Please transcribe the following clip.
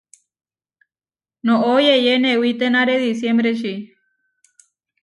Noʼó yeyé newítenare disiembreči.